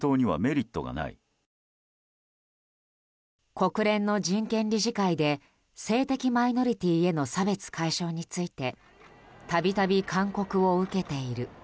国連の人権理事会で性的マイノリティーへの差別解消についてたびたび勧告を受けている。